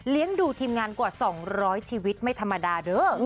ดูทีมงานกว่า๒๐๐ชีวิตไม่ธรรมดาเด้อ